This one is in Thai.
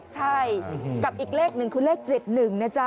ใช่กับอีกเลขหนึ่งคือเลข๗๑นะจ๊ะ